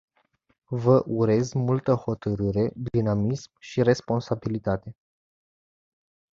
Vă urez multă hotărâre, dinamism și responsabilitate.